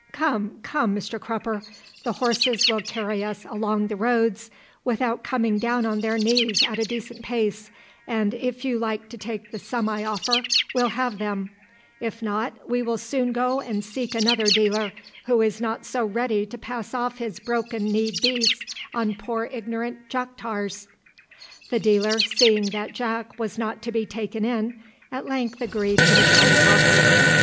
Come, come, Mr Crupper, the horses will carry us along the roads without coming down on their knees at a decent pace, and if you like to take the sum I offer, we'll have them, if not, we will soon go and seek another dealer who is not so ready to pass off his broken kneed beasts on poor ignorant `Jack tars.'" The dealer, seeing that Jack was not to be taken in, at length agreed to the price offered.